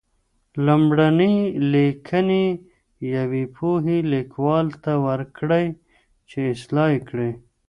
لومړني لیکنې یوې پوهې لیکوال ته ورکړئ چې اصلاح یې کړي.